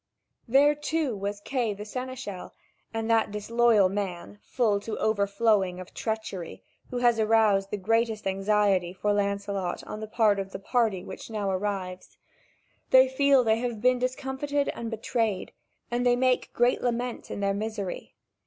There, too, was Kay the seneschal, and that disloyal man, full to overflowing of treachery, who has aroused the greatest anxiety for Lancelot on the part of the party which now arrives. They feel they have been discomfited and betrayed, and they make great lament in their misery.